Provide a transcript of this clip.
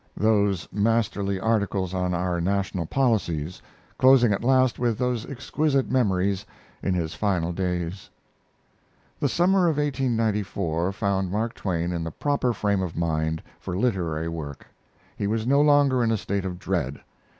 those masterly articles on our national policies; closing at last with those exquisite memories, in his final days. The summer of 1894 found Mark Twain in the proper frame of mind for literary work. He was no longer in a state of dread.